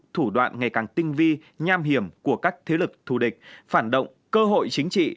thủ đoạn ngày càng tinh vi nham hiểm của các thế lực thù địch phản động cơ hội chính trị